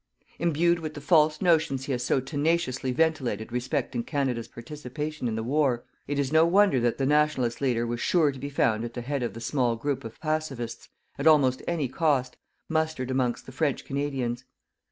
Imbued with the false notions he has so tenaciously ventilated respecting Canada's participation in the war, it is no wonder that the Nationalist leader was sure to be found at the head of the small group of PACIFISTS, at almost any cost, mustered amongst the French Canadians.